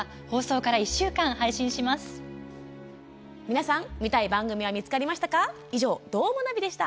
皆さん見たい番組は見つかりましたか？